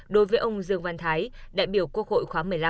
đối với ông dương văn thái đại biểu quốc hội khóa một mươi năm